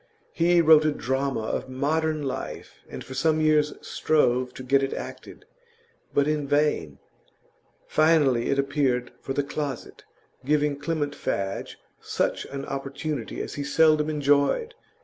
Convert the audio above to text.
He wrote a drama of modern life, and for some years strove to get it acted, but in vain; finally it appeared 'for the closet' giving Clement Fadge such an opportunity as he seldom enjoyed.